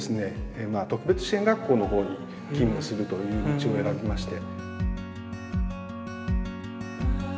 特別支援学校の方に勤務するという道を選びまして。